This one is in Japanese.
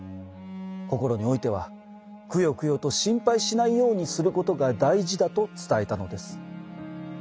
心においてはくよくよと心配しないようにすることが大事だと伝えたのです。